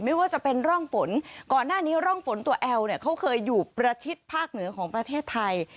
ไม่ว่าจะเป็นร่องฝนก่อนหน้านี้ร่องฝนตัวแอลเนี่ยเขาเคยอยู่ประชิดภาคเหนือของประเทศไทย